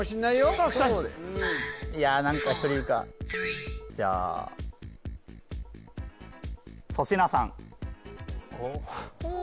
確かにいや何かそれ言うかじゃあ粗品さんお？